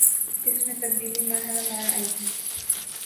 اس میں تبدیلی مرحلہ وار آئے گی